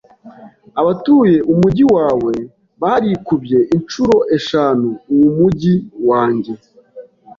Abatuye umujyi wawe barikubye inshuro eshanu uw'umujyi wanjye.